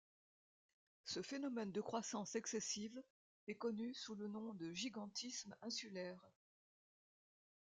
Ce phénomène de croissance excessive est connu sous le nom de gigantisme insulaire.